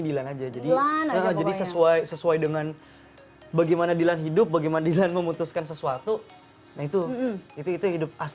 dilan aja jadi sesuai sesuai dengan bagaimana dilan hidup bagaimana dilan memutuskan sesuatu nah itu itu hidup